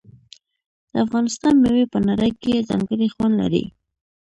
د افغانستان میوې په نړۍ کې ځانګړی خوند لري.